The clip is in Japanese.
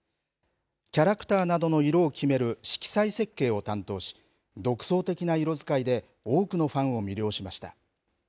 キャラクターなどの色を決める色彩設計を担当し、独創的な色使いで多くのファンを魅了しました。